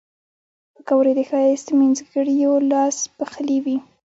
پکورې د ښایسته مینځګړیو لاس پخلي وي